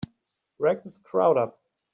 Break this crowd up!